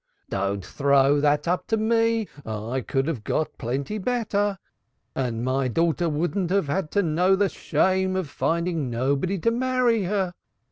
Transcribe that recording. "Don't throw that up to me! I could have got plenty better. And my daughter wouldn't have known the shame of finding nobody to marry her.